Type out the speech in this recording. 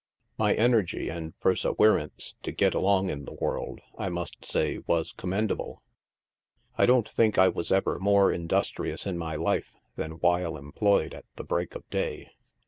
My energy and persewerance to get along in the world, I must say, was commendable ; I don't think I was ever more industrious in my life than while employed at the Break of Day.